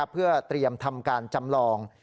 เพื่อเตรียมทำการจำลอง